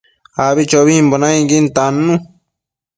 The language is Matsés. Abichobimbo nainquin tannu